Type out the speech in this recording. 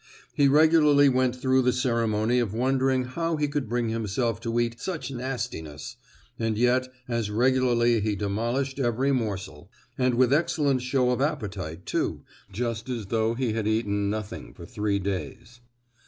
He regularly went through the ceremony of wondering how he could bring himself to eat "such nastiness," and yet as regularly he demolished every morsel, and with excellent show of appetite too, just as though he had eaten nothing for three days.